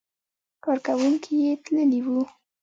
کارکوونکي یې تللي وو.